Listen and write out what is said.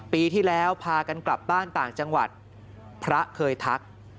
ปีที่แล้วพากันกลับบ้านต่างจังหวัดพระเคยทัก